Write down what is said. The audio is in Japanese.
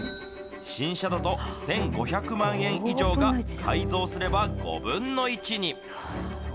新車だと１５００万円以上が、改造すれば５分の１に。